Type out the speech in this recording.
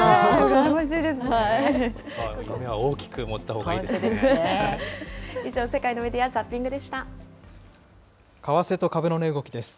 夢は大きく持ったほうがいいですね。